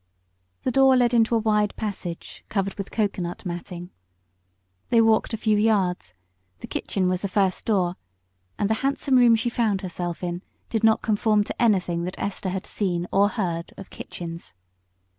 The door let into a wide passage covered with coconut matting. They walked a few yards; the kitchen was the first door, and the handsome room she found herself in did not conform to anything that Esther had seen or heard of kitchens.